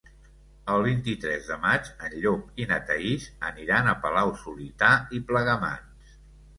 El vint-i-tres de maig en Llop i na Thaís aniran a Palau-solità i Plegamans.